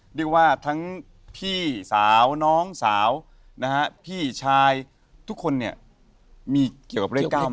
ดูว่าทั้งพี่สาวน้องสาวด้วยภูมินะพี่ชายทุกคนเนี่ยมีการพูด